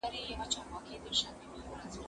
له ناکامه د قسمت په انتظار سو